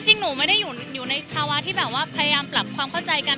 จริงหนูไม่ได้อยู่ในภาวะที่แบบว่าพยายามปรับความเข้าใจกัน